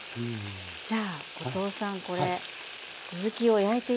じゃあ後藤さんこれ続きを焼いて頂いても？